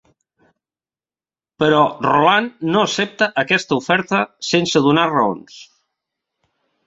Però Roland no accepta aquesta oferta sense donar raons.